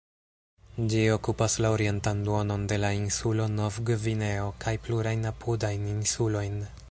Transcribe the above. Ĝi okupas la orientan duonon de la insulo Nov-Gvineo kaj plurajn apudajn insulojn.